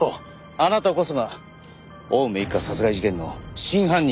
あなたこそが青梅一家殺害事件の真犯人だからです。